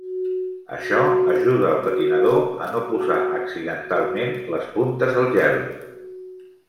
Això ajuda al patinador a no posar accidentalment les puntes al gel.